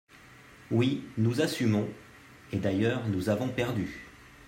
Oui, nous assumons – et d’ailleurs nous avons perdu